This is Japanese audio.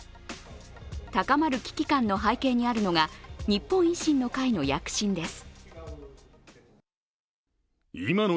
高まる危機感の背景にあるのが日本維新の会の躍進です。